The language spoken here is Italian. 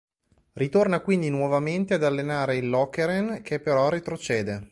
Ritorna quindi nuovamente ad allenare il Lokeren che però retrocede.